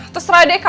pak umi umi apa